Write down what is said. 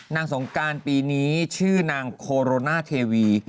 สงการปีนี้ชื่อนางโคโรนาเทวี